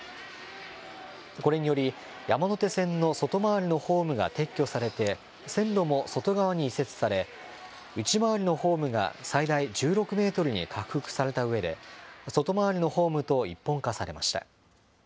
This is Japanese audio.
これにより、山手線の外回りのホームが撤去されて、線路も外側に移設され、内回りのホームが最大１６メートルに拡幅されたうえで、外回りのホームと一本化されました。